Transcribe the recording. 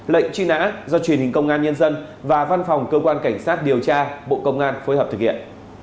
lệnh truy nã do truyền hình công an nhân dân và văn phòng cơ quan cảnh sát điều tra bộ công an phối hợp thực hiện